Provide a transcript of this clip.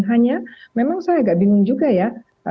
hanya memang saya agak bingung juga ya